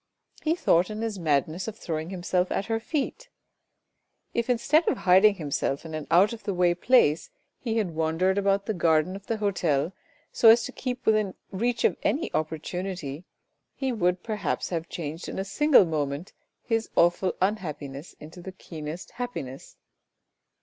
He thought in his madness of throwing himself at her feet. If instead of hiding himself in an out of the way place, he had wandered about the garden of the hotel so as to keep within reach of any opportunity, he would perhaps have changed in a single moment his awful unhappi ness into the keenest happiness.